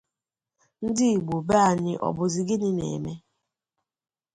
Ndi Igbo be anyị ọ bụzị gịnị na-eme?